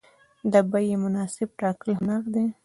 د بیې مناسب ټاکل هنر دی.